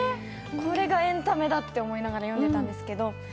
これがエンタメだって思いながら読んでたんですけど。